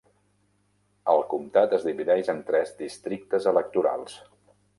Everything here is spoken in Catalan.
El comtat es divideix en tres districtes electorals.